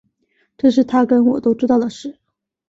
这是他跟我都知道的事